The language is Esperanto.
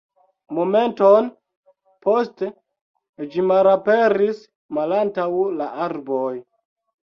Momenton poste ĝi malaperis malantaŭ la arboj.